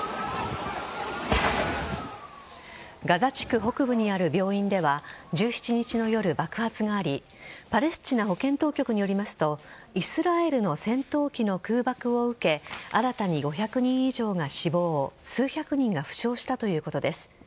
ガザ地区北部にある病院では１７日の夜、爆発がありパレスチナ保健当局によりますとイスラエルの戦闘機の空爆を受け新たに５００人以上が死亡数百人が負傷したということです。